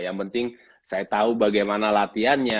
yang penting saya tahu bagaimana latihannya